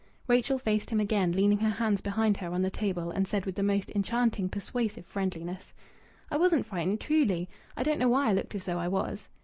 Rachel faced him again, leaning her hands behind her on the table, and said with the most enchanting, persuasive friendliness "I wasn't frightened truly! I don't know why I looked as though I was."